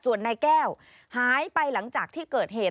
ส่วนนายแก้วหายไปหลังจากที่เกิดเหตุ